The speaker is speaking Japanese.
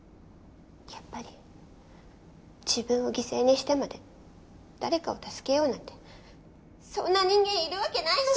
やっぱり自分を犠牲にしてまで誰かを助けようなんてそんな人間いるわけないのよ。